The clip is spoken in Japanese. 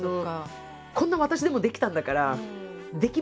こんな私でもできたんだからできますよ。